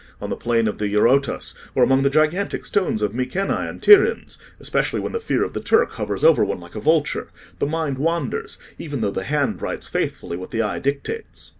On the plain of the Eurotas, or among the gigantic stones of Mycenae and Tyrins—especially when the fear of the Turk hovers over one like a vulture—the mind wanders, even though the hand writes faithfully what the eye dictates.